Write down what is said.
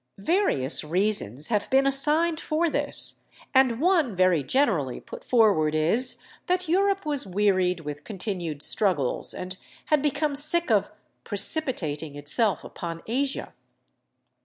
Various reasons have been assigned for this; and one very generally put forward is, that Europe was wearied with continued struggles, and had become sick of "precipitating itself upon Asia."